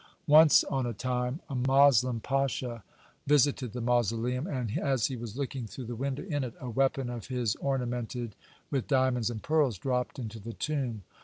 (144) Once on a time, a Moslem pasha visited the mausoleum, and as he was looking through the window in it, a weapon of his ornamented with diamonds and pearls dropped into the tomb.